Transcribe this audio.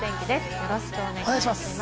よろしくお願いします。